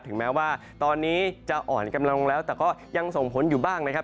ถึงแม้ว่าตอนนี้จะอ่อนกำลังลงแล้วแต่ก็ยังส่งผลอยู่บ้างนะครับ